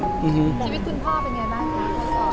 ชีวิตคุณพ่อเป็นยังไงบ้างครับ